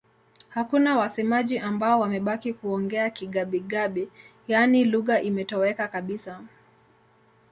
Hakuna wasemaji ambao wamebaki kuongea Kigabi-Gabi, yaani lugha imetoweka kabisa.